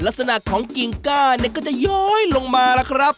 ลักษณะของกิ่งก้าเนี่ยก็จะย้อยลงมาล่ะครับ